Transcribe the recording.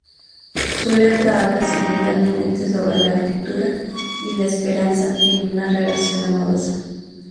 Su letra habla simultáneamente sobre la ruptura y la esperanza en una relación amorosa.